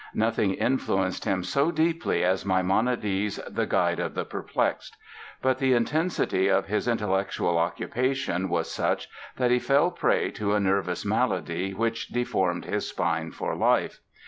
Nothing influenced him so deeply as Maimonides' "The Guide of the Perplexed". But the intensity of his intellectual occupation was such that he fell prey to a nervous malady which deformed his spine for life.